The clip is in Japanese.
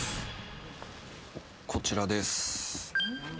こちらです。